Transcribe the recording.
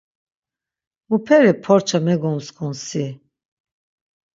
Muperi porça megomskun si!